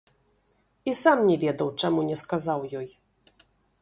І сам не ведаў, чаму не сказаў ёй.